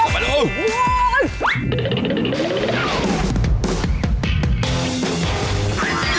ไปลูกมือไปลูกมือ